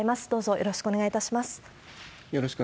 よろしくお願いします。